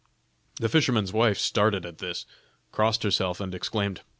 The fisherman's wife started at this, crossed herself and exclaimed.